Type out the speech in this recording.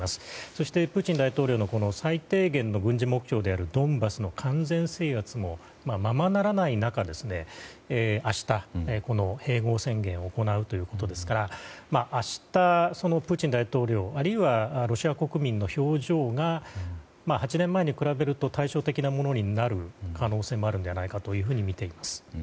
そしてプーチン大統領の最低限の軍事目標であるドンバスの完全制圧もままならない中明日、併合宣言を行うということですから明日、プーチン大統領あるいはロシア国民の表情が８年前に比べると対照的なものになる可能性もあるのではないかとみています。